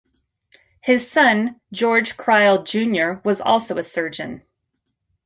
His son George Crile, Junior was also a surgeon.